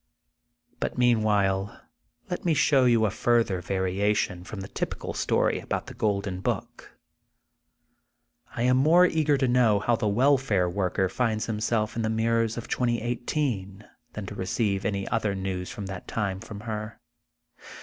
But meanwhile let me show you a further variation from the typical story about The Golden Book. I am more eager to know how the welfare worker finds herself in the mirrors of 2018 than to receive any other news of that time from her.